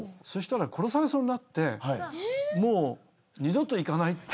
そしたら殺されそうになってもう二度と行かない。